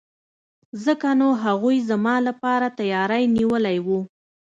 ځکه نو هغوی زما لپاره تیاری نیولی وو.